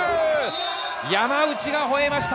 山内がほえました。